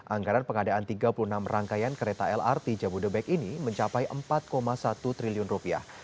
anggaran pengadaan tiga puluh enam rangkaian kereta lrt jabodebek ini mencapai empat satu triliun rupiah